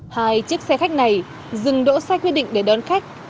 hai chiếc xe khách này dừng đỗ sai quyết định để đón khách